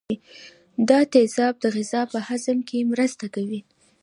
دا تیزاب د غذا په هضم کې مرسته کوي.